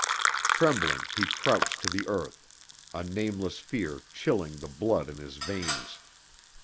Trembling, he crouched to the earth, a nameless fear chilling the blood in his veins.